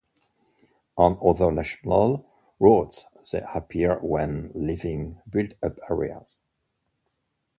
On other national, roads they appear when leaving built-up areas.